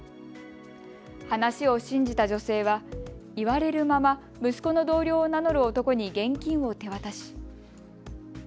話を信じた女性は言われるまま息子の同僚を名乗る男に現金を手渡し。